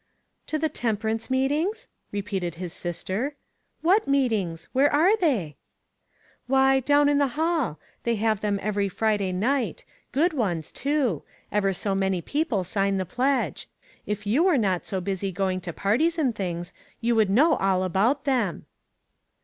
"To the temperance meetings?" repeated his sister. " What meetings ? Where are they ?" "Why, down in the hall. They have them every Friday night ; good ones, too. Ever so many people sign the pledge. If you were not so busy going to parties, and things, you would know all about them."